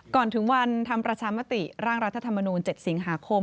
ก่อนถึงวันทำประชามติร่างรัฐธรรมนูล๗สิงหาคม